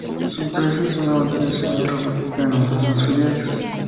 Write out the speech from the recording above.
Su empresa es una multinacional robótica con numerosas filiales.